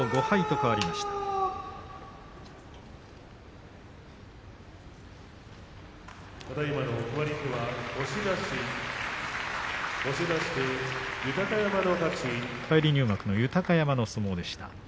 返り入幕の豊山の相撲でした。